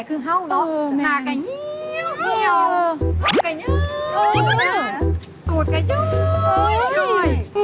อืม